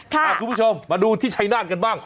คุณผู้ชมมาดูที่ชัยนาธกันบ้าง